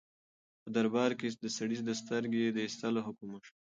په دربار کې د سړي د سترګې د ایستلو حکم وشو.